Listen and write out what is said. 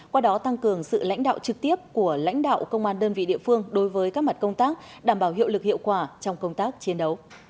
qua đó tăng cường sự lãnh đạo trực tiếp của lãnh đạo công an đơn vị địa phương đối với các mặt công tác đảm bảo hiệu lực hiệu quả trong công tác chiến đấu